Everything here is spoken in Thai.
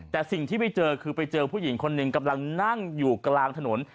แต่สิ่งที่ไปเจอคือไปเจอผู้หญิงคนหนึ่งกำลังนั่งอยู่กลางถนน